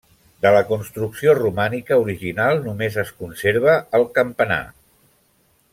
De la construcció romànica original només es conserva el campanar.